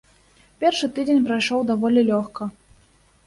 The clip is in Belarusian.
Першы тыдзень прайшоў даволі лёгка.